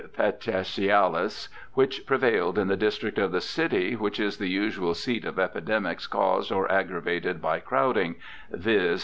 petechiaHs) which prevailed in the district of the city w^hich is the usual seat of epidemics caused or aggravated by crowding, viz.